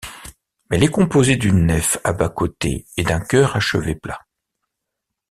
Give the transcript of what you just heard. Elle est composée d'une nef à bas-côtés et d'un chœur à chevet plat.